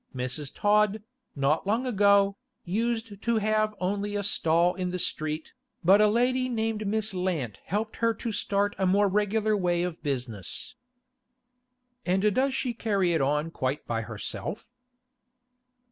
Mrs. Todd, not long ago, used to have only a stall in the street; but a lady named Miss Lant helped her to start in a more regular way of business. 'And does she carry it on quite by herself?